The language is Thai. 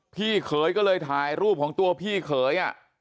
พี่เขยก็เลยถ่ายรูปของตัวพี่เขย